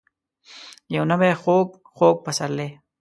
یو نوی خوږ. خوږ پسرلی ،